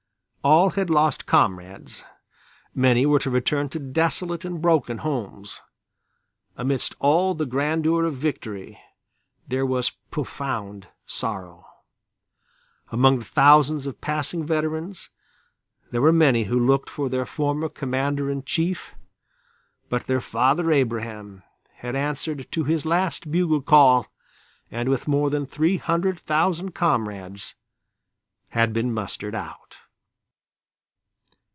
All had lost comrades, many were to return to desolate and broken homes. Amidst all the grandeur of victory there was profound sorrow. Among the thousands of passing veterans, there were many who looked for their former Commander in Chief, but their "Father Abraham" had answered to his last bugle call and with more than 300,000 comrades had been mustered out.